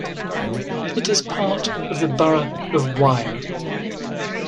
It is part of the Borough of Wyre.